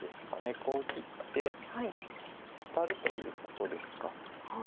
こう切ってワタるということですか。